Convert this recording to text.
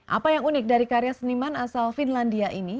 apa yang unik dari karya seniman asal finlandia ini